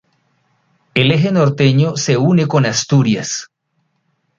El eje norteño se une con Asturias.